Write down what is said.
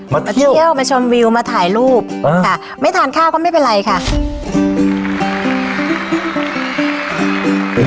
มาเที่ยวมาชมวิวมาถ่ายรูปค่ะไม่ทานข้าวก็ไม่เป็นไรค่ะ